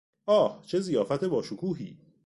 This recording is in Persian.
آه، چه ضیافت با شکوهی!